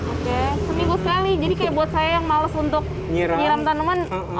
oke seminggu sekali jadi kayak buat saya yang males untuk nyiram tanaman